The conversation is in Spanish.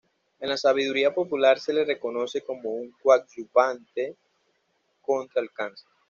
En la sabiduría popular, se le reconoce como un coadyuvante contra el cáncer.